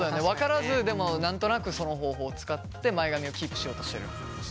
分からずでも何となくその方法を使って前髪をキープしようとしてる。